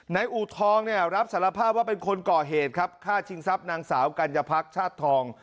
อูทองเนี่ยรับสารภาพว่าเป็นคนก่อเหตุครับฆ่าชิงทรัพย์นางสาวกัญญาพักชาติทอง